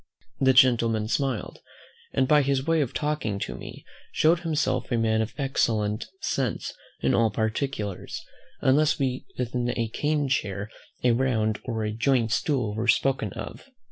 The gentleman smiled; and, by his way of talking to me, showed himself a man of excellent sense in all particulars, unless when a cane chair, a round or a joint stool, were spoken of.